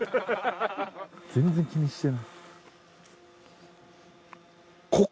全然気にしてない。